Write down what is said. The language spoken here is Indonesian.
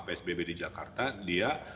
psbb di jakarta dia